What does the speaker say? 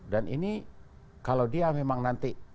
dan ini kalau dia memang nanti